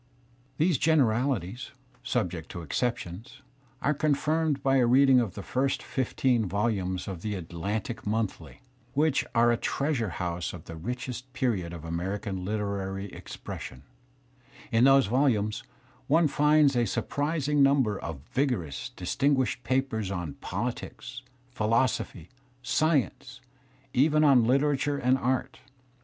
These generalities, subjecl exceptions, are confirmed by a reading of the first fifteen volumes of the Atlantic Monthly ^ which are a treasure house of the richest period of American literary expression* In those volumes one finds a surprising number of vigorous, distin guished papers on politics, philosophy, science, even on literature and art.